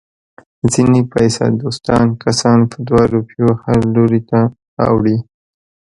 ځنې پیسه دوسته کسان په دوه روپیو هر لوري ته اوړي.